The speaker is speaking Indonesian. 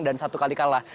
dan satu kali kalah